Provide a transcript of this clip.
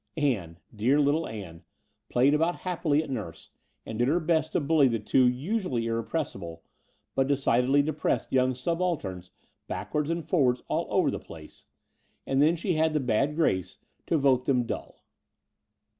Ann, dear little Ann, played about happily at nurse, and did her best to bully the two usually irrepressible, but decidedly depressed young subalterns backwards and for wards all over the place; and then she had the bad grace to vote them dull.